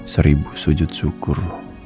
seribu sujud syukur